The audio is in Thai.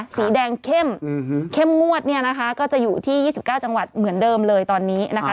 สีแดงเข้มงวดก็จะอยู่ที่๒๙จังหวัดเหมือนเดิมเลยตอนนี้นะคะ